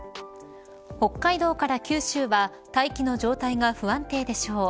北海道から九州は大気の状態が不安定でしょう。